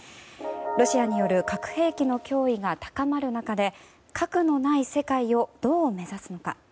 ロシアによる核兵器の脅威が高まる中で核のない世界をどう目指すのか。